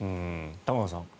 玉川さん。